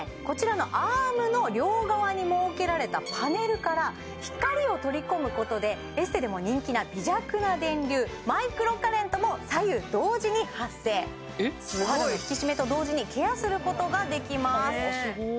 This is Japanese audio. こちらのアームの両側に設けられたパネルから光を取り込むことでエステでも人気な微弱な電流マイクロカレントも左右同時に発生お肌の引き締めと同時にケアすることができます